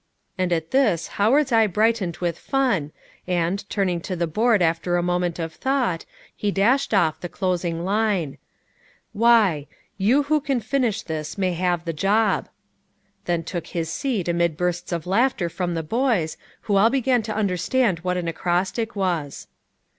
And at this Howard's eye brightened with fun, and, turning to the board after a moment of thought, he dashed off the closing line, "Y You who can finish this may have the job;" then took his seat amid bursts of laughter from the boys, who all began to understand what an acrostic was.